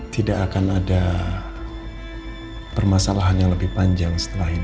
tidak akan ada permasalahan yang lebih panjang setelah ini